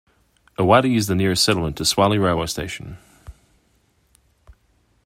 Iwade is the nearest settlement to Swale railway station.